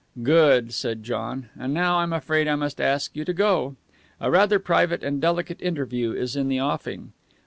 "Good," said John. "And now I'm afraid I must ask you to go. A rather private and delicate interview is in the offing.